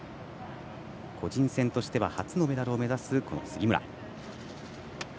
個人戦としては初のメダルを目指す杉村。